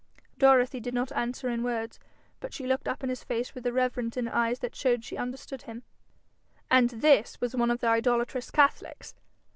Dorothy did not answer in words, but she looked up in his face with a reverence in her eyes that showed she understood him. And this was one of the idolatrous catholics!